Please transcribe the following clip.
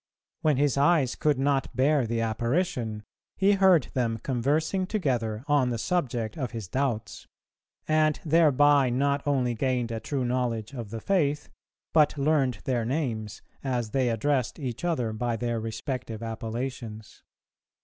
... When his eyes could not bear the apparition, he heard them conversing together on the subject of his doubts; and thereby not only gained a true knowledge of the faith, but learned their names, as they addressed each other by their respective appellations.